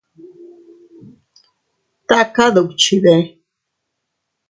¿Taka dukchide?